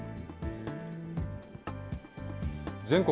全国